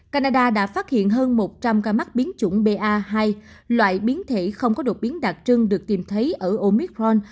canada đã phát hiện hơn một trăm linh ca mắc biến chủng ba loại biến thể không có đột biến đặc trưng được tìm thấy ở omicron